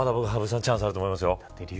チャンスあると思いますよ。